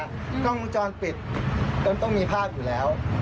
กล้องวงจรปิดมันต้องมีภาพอยู่แล้ว